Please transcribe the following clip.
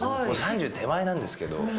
もう３０手前なんですけど。